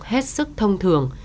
hết sức thông thường